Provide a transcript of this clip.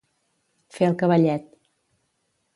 Fer el cavallet.